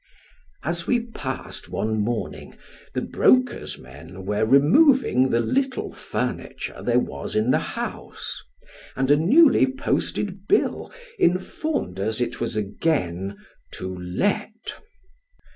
As we passed one morning, the broker's men were removing the little furniture there was in the house, and a newly posted bill informed us it was again " To Let."